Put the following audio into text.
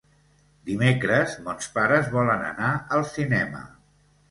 Dimecres mons pares volen anar al cinema.